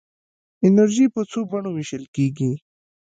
انرژي په څو بڼو ویشل کېږي.